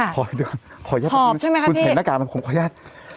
ค่ะขอให้ดูขออนุญาตขออนุญาตใช่ไหมค่ะพี่คุณใส่หน้ากากมันผมขออนุญาต